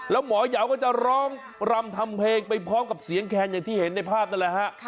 แล้วหมอยาวก็จะร้องรำทำเพลงไปพร้อมกับเสียงแคนอย่างที่เห็นในภาพนั่นแหละฮะ